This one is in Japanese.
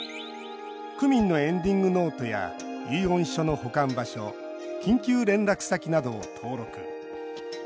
区民のエンディングノートや遺言書の保管場所緊急連絡先などを登録。